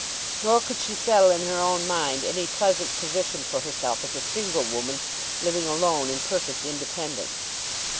Nor could she settle in her own mind any pleasant position for herself as a single woman, living alone in perfect independence.